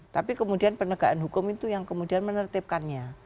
tapi kemudian penegakan hukum itu yang kemudian menertibkannya